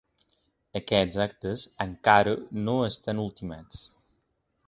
Aquests actes encara no estan ultimats.